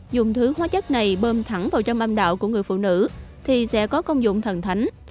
dùng thứ hóa chất này bơm thẳng vào trong âm đạo của người phụ nữ thì sẽ có công dụng thần thánh